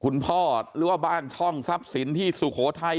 คุณพ่อหรือว่าบ้านช่องทรัพย์สินที่สุโขทัย